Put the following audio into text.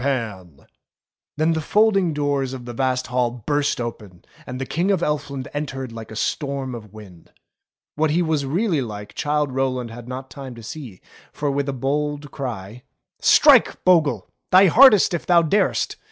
CHILDE ROWLAND 287 Then the folding doors of the vast hall burst open and the King of Elfland entered like a storm of wind. What he was really like Childe Rowland had not time to see, for with a bold cry : "Strike, Bogle! thy hardest if thou dar'st !"